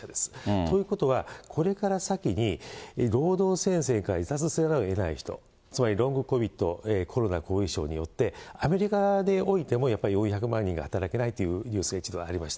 ということは、これから先に労働戦線から離脱せざるをえない人、つまりロングコビッド、コロナ後遺症によってアメリカにおいてもやっぱり４００万人が働けないというニュースが一度ありました。